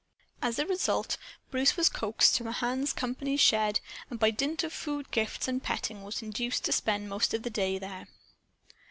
As a result Bruce was coaxed to Mahan's company shed and by dint of food gifts and petting was induced to spend most of the day there.